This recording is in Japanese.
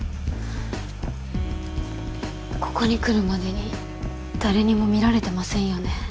ここに来るまでに誰にも見られてませんよね？